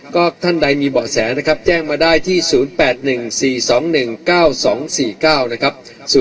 ก็ท่านใดมีเบาะแสนะครับแจ้งมาได้ที่๐๘๑๔๒๑๙๒๔๙นะครับ